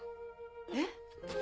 えっ？